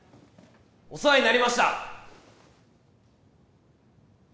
お世話になりました！